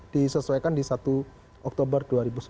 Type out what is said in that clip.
disesuaikan di satu oktober